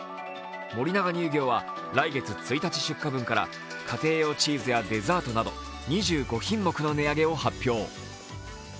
森永乳業は、来月１日出荷分から家庭用チーズやデザートなど２５品目の値上げを発表。